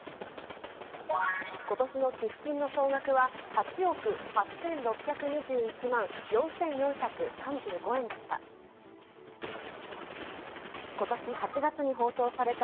ことしの寄付金の総額は、８億８６２１万４４３５円でした。